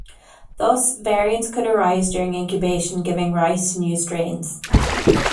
Thus, variants could arise during incubation, giving rise to new strains.